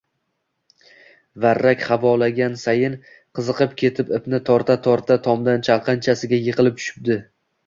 Varrak havolagan sayin qiziqib ketib ipni torta-torta tomdan chalqanchasiga yiqilib tushibdi.